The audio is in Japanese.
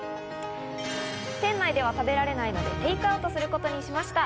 店内では食べられないのでテークアウトすることにしました。